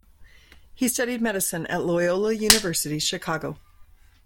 He studied medicine at Loyola University Chicago.